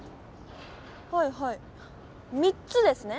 はいはい３つですね！